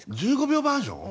１５秒バージョン？